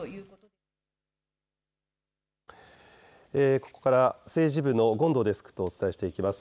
ここから政治部の権藤デスクとお伝えしていきます。